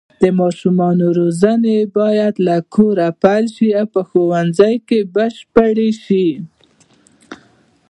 د ماشومانو روزنه باید له کوره پیل شي او په ښوونځي کې بشپړه شي.